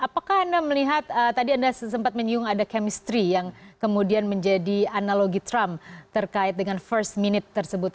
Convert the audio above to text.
dan apakah anda melihat tadi anda sempat menyung ada chemistry yang kemudian menjadi analogi trump terkait dengan first minute tersebut